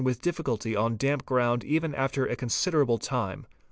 with difficulty on 'damp eround even after a considerable time.